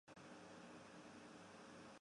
多变尻参为尻参科尻参属的动物。